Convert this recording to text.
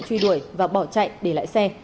truy đuổi và bỏ chạy để lại xe